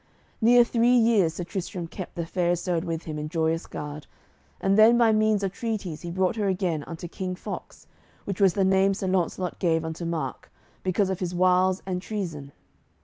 Near three years Sir Tristram kept the Fair Isoud with him in Joyous Gard, and then by means of treaties he brought her again unto King Fox, which was the name Sir Launcelot gave unto Mark because of his wiles and treason.